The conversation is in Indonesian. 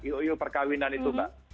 ioio perkawinan itu mbak